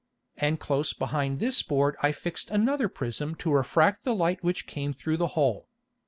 And close behind this Board I fixed another Prism to refract the Light which came through the hole.